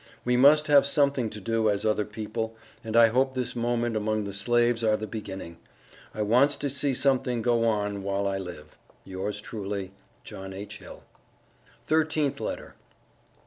We must have something to do as other people, and I hope this moment among the Slaves are the beginning. I wants to see something go on while I live. Yours truly, JOHN H. HILL. THIRTEENTH LETTER.